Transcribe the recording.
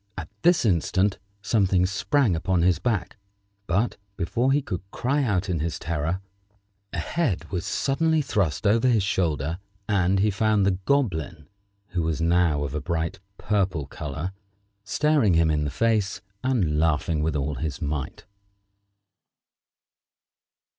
At this instant something sprang upon his back; but, before he could cry out in his terror, a head was suddenly thrust over his shoulder, and he found the Goblin, who was now of a bright purple color, staring him in the face and laughing with all his might.